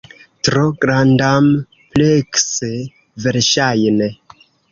Tro grandamplekse, verŝajne.